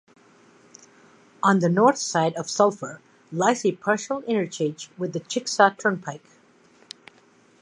On the north side of Sulphur lies a partial interchange with the Chickasaw Turnpike.